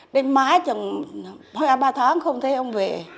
đến mái chẳng ba tháng không thấy ông về